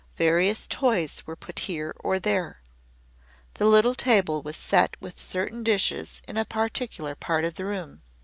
Various toys were put here or there the little table was set with certain dishes in a particular part of the room.